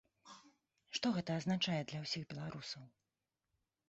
Што гэта азначае для ўсіх беларусаў?